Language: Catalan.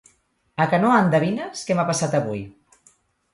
A que no endevines què m'ha passat avui?